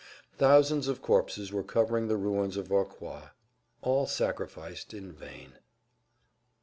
Thousands of corpses were covering the ruins of Vauquois, all sacrificed in vain.